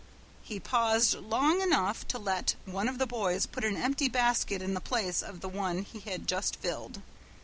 He paused long enough to let one of the boys put an empty basket in the place of the one he had just filled.